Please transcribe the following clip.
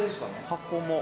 箱も。